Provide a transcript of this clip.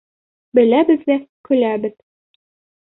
Беләбеҙ ҙә көләбеҙ.